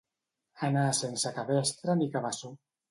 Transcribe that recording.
Anar sense cabestre ni cabeçó.